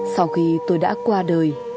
sau khi tôi đã qua đời